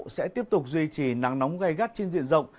sẽ tiếp tục duy trì nắng nóng gai gắt trên diện rộng